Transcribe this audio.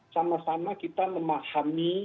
sama sama kita memahami